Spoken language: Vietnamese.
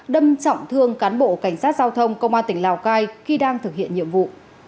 đâm trọng thương cán bộ cảnh sát giao thông công an tỉnh lào cai khi đang thực hiện nhiệm vụ